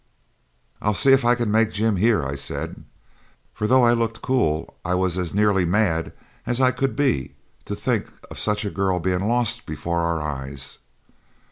'I'll see if I can make Jim hear,' I said, for though I looked cool I was as nearly mad as I could be to think of such a girl being lost before our eyes.